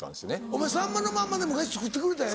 お前『さんまのまんま』で昔作ってくれたよな？